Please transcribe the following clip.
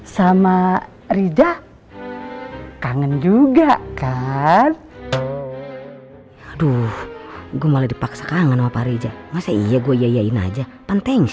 sama rida kangen juga kan aduh gua malah dipaksa kangen apa riza masa iya gue yayain aja penting